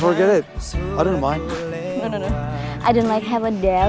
aku ga suka ada hubungan dengan orang yang aku ga kenal